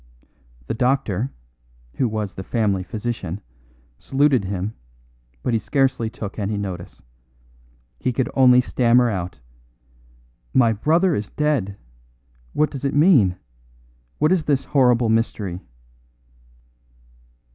The doctor, who was the family physician, saluted him, but he scarcely took any notice. He could only stammer out: "My brother is dead. What does it mean? What is this horrible mystery?"